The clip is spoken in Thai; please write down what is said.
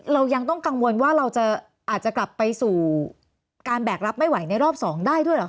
เรายังต้องกังวลว่าเราอาจจะกลับไปสู่การแบกรับไม่ไหวในรอบ๒ได้ด้วยเหรอ